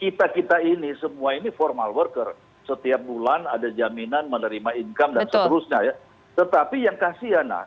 kalau upah minimum tinggi kita harus lebih mengecilkan informal worker kita kita ini semua ini formal worker setiap bulan ada jaminan menerima income dan seterusnya ya tetapi yang kasihan lah